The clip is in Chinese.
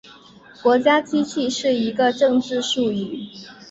国家机器是一个政治术语。